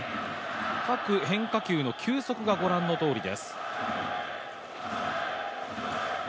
各変化球の球速がご覧のとおりです。